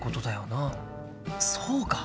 そうか！